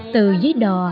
từ dưới đò